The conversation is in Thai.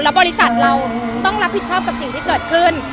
บริษัทเราต้องรับผิดชอบกับสิ่งที่เกิดขึ้น